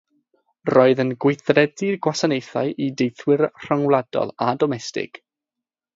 Roedd yn gweithredu gwasanaethau i deithwyr rhyngwladol a domestig.